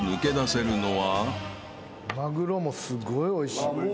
マグロもすごいおいしい。